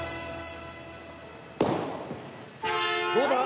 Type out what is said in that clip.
どうだ？